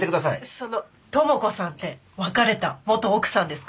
その智子さんって別れた元奥さんですか？